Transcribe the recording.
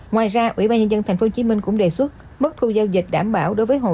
ngoài ra ủy ban nhân dân thành phố hồ chí minh cũng đề xuất mức thu giao dịch đảm bảo đối với hồ